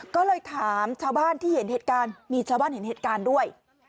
ก็เลยถามชาวบ้านที่เห็นเหตุการณ์มีชาวบ้านเห็นเหตุการณ์ด้วย